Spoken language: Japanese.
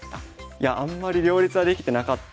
いやあんまり両立はできてなかったですかね